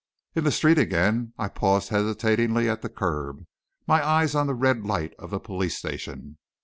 In the street again, I paused hesitatingly at the curb, my eyes on the red light of the police station.